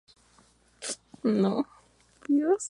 Supone la tercera competición de mayor prestigio.